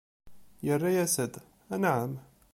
Irra-yas-d: Anɛam!